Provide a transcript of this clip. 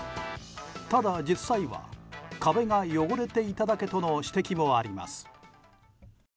ただ、実際は壁が汚れていただけとの指摘もあります。